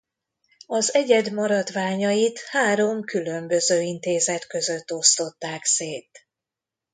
Az egyed maradványait három különböző intézet között osztották szét.